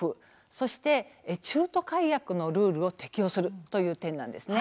そして、中途解約のルールを適用するということなんですね。